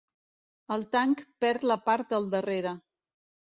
El tanc perd la part del darrere.